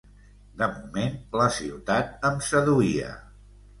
De moment, la ciutat em seduïa.